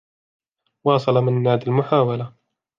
واصل منّاد المحاولة.